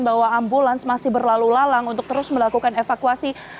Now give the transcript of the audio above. bahwa ambulans masih berlalu lalang untuk terus melakukan evakuasi